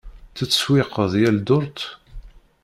Tettsewwiqeḍ yal ddurt?